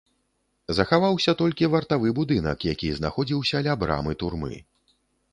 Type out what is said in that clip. Захаваўся толькі вартавы будынак, які знаходзіўся ля брамы турмы.